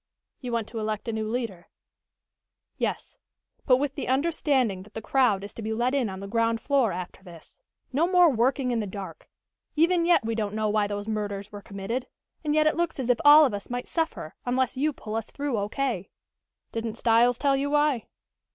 "You want to elect a new leader?" "Yes. But with the understanding that the crowd is to be let in on the ground floor after this. No more working in the dark. Even yet we don't know why those murders were committed, and yet it looks as if all of us might suffer, unless you pull us through O.K." "Didn't Styles tell you why?"